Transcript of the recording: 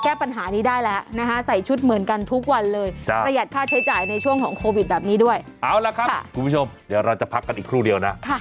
เอาล่ะครับทุกผู้ชมเดี๋ยวเราจะพักกันอีกครู่เดียวนะ